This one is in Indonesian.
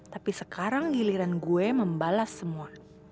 tapi sekarang giliran gue membalas semua